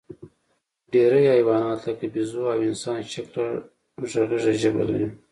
ډېری حیوانات، لکه بیزو او انسانشکله غږیزه ژبه لري.